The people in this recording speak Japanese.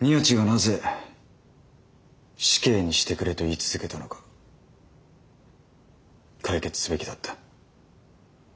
宮地がなぜ死刑にしてくれと言い続けたのか解決すべきだった。